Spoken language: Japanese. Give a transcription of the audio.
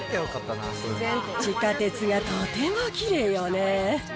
地下鉄がとてもきれいよね。